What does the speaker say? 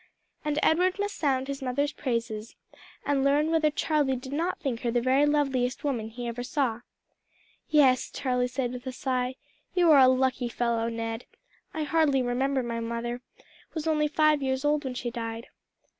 And Edward must sound his mother's praises and learn whether Charlie did not think her the very loveliest woman he ever saw. "Yes," Charlie said with a sigh, "you are a lucky fellow, Ned. I hardly remember my mother was only five years old when she died."